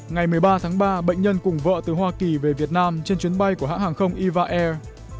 ngày một mươi ba tháng ba bệnh nhân cùng vợ từ hoa kỳ về việt nam trên chuyến bay của hãng hàng không iva air